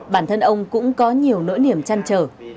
bản thân ông cũng có nhiều nỗi niềm chăn trở